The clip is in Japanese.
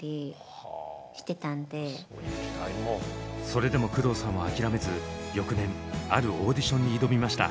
それでも工藤さんは諦めず翌年あるオーディションに挑みました。